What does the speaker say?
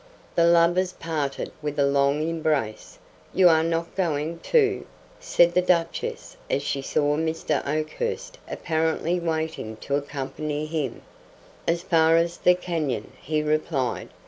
The lovers parted with a long embrace. "You are not going, too?" said the Duchess as she saw Mr. Oakhurst apparently waiting to accompany him. "As far as the canyon," he replied.